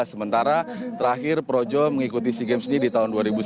sementara terakhir projo mengikuti sea games ini di tahun dua ribu sembilan belas